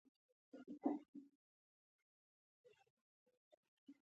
د لمسولو کمال د مهدي علیخان وو.